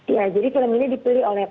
ya jadi film ini dipilih oleh